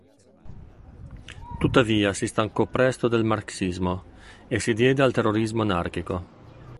Tuttavia, si stancò presto del Marxismo e si diede al terrorismo anarchico.